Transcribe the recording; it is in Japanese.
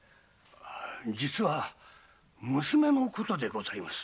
実は娘のことでございます。